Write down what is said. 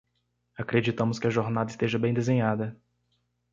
Acreditamos que a jornada esteja bem desenhada